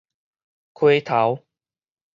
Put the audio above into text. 溪頭